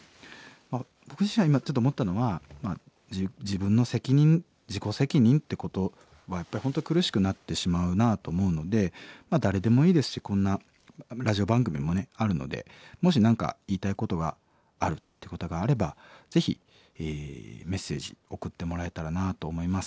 僕自身は今ちょっと思ったのは自分の責任自己責任ってことはやっぱり本当苦しくなってしまうなと思うので誰でもいいですしこんなラジオ番組もねあるのでもし何か言いたいことがあるっていうことがあればぜひメッセージ送ってもらえたらなと思います。